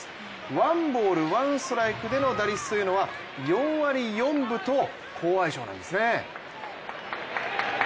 ワンボール、ワンストライクでの打率というのは４割４分と好相性なんですね。